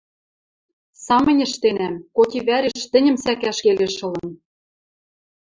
Самынь ӹштенӓм, коти вӓреш тӹньӹм сӓкӓш келеш ылын.